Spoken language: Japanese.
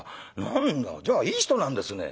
何だじゃあいい人なんですね」。